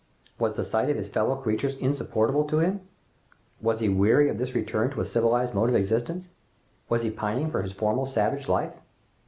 Was the sight of his fellow creatures insupportable to him? Was he weary of this return to a civilized mode of existence? Was he pining for his former savage life?